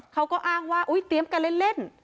เขาก็อ้างว่าเตรียมกันเล่น